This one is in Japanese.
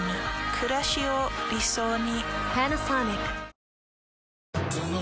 くらしを理想に。